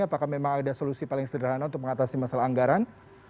apakah memang ada solusi paling sederhana untuk mengatasi masalah anggaran